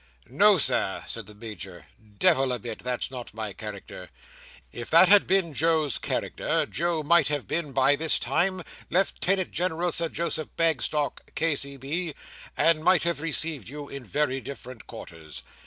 "No, Sir," said the Major, "Devil a bit! That's not my character. If that had been Joe's character, Joe might have been, by this time, Lieutenant General Sir Joseph Bagstock, K.C.B., and might have received you in very different quarters.